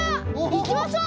いきましょう！